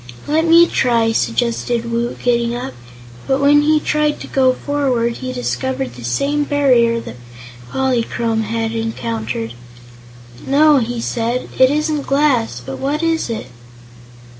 "Let me try," suggested Woot, getting up; but when he tried to go forward, he discovered the same barrier that Polychrome had encountered. "No," he said, "it isn't glass. But what is it?"